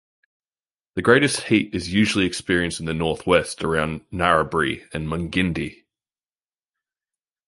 The greatest heat is usually experienced in the north-west around Narrabri and Mungindi.